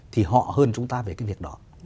thì họ hơn chúng ta về cái việc đó